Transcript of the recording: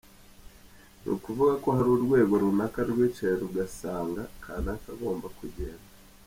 Ni ukuvuga ko hari urwego runaka rwicaye rugasanga kanaka agomba kugenda.